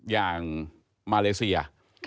อย่างมาเลเซีย